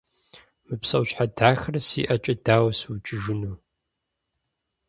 Мы псэущхьэ дахэр си ӀэкӀэ дауэ сукӀыжыну?